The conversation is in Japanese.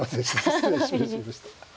失礼しました。